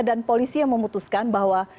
dan polisi yang memutuskan bahwa